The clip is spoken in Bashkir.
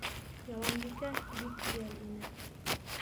Яланбикә бик йәл ине.